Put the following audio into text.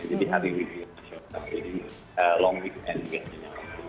jadi hari ini long weekend biasanya